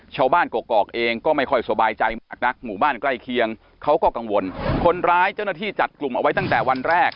กอกเองก็ไม่ค่อยสบายใจมากนักหมู่บ้านใกล้เคียงเขาก็กังวลคนร้ายเจ้าหน้าที่จัดกลุ่มเอาไว้ตั้งแต่วันแรก